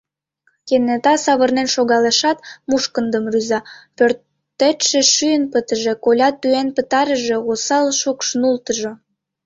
Кенета савырнен шогалешат, мушкындым рӱза: — Пӧртетше шӱйын пытыже, коля тӱен пытарыже, осал шукш нултыжо!